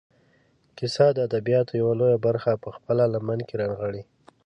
کیسه د ادبیاتو یوه لویه برخه په خپله لمن کې رانغاړي.